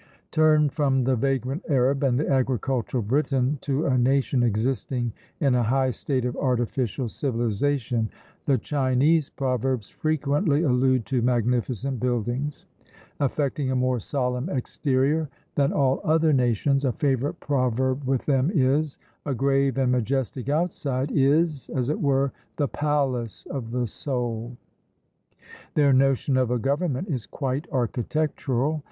Turn from the vagrant Arab and the agricultural Briton to a nation existing in a high state of artificial civilization: the Chinese proverbs frequently allude to magnificent buildings. Affecting a more solemn exterior than all other nations, a favourite proverb with them is, "A grave and majestic outside is, as it were, the palace of the soul." Their notion of a government is quite architectural.